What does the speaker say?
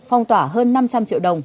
phong tỏa hơn năm trăm linh triệu đồng